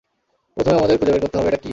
প্রথমে আমাদের খুঁজে বের করতে হবে এটা কি?